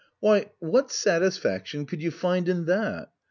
Why — ^what satisfaction could you find in that